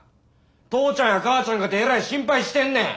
父ちゃんや母ちゃんかてえらい心配してんねん！